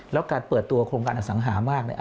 แล้วการเปิดตัวโครงการอสังหามาก